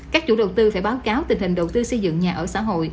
các chủ đầu tư phải báo cáo tình hình đầu tư xây dựng nhà ở xã hội